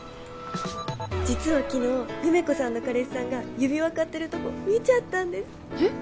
実は昨日優芽子さんの彼氏さんが指輪買ってるとこ見ちゃったんですえっ？